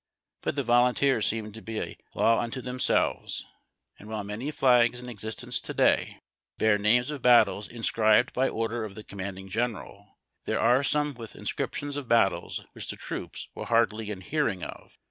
But the volunteers seemed to be a law unto themselves, and, while many flags in existence to day bear names of battles in scribed by order of the commanding general, there are some with inscriptions of battles which the trooj^s were hardly in hearing of.